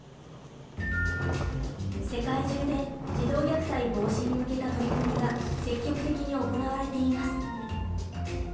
世界中で児童虐待防止に向けた取り組みが積極的に行われています。